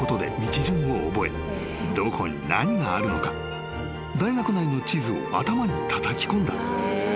［どこに何があるのか大学内の地図を頭にたたきこんだ］